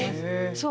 そう。